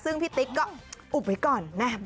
ซึ่งพี่ติ๊กก็อุบไว้ก่อน